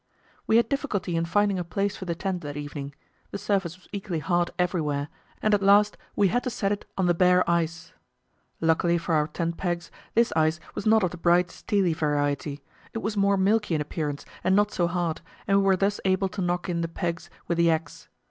We had difficulty in finding a place for the tent that evening; the surface was equally hard everywhere, and at last we had to set it on the bare ice. Luckily for our tent pegs, this ice was not of the bright, steely variety; it was more milky in appearance and not so hard, and we were thus able to knock in the pegs with the axe.